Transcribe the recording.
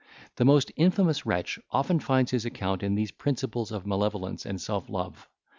The most infamous wretch often finds his account in these principles of malevolence and self love.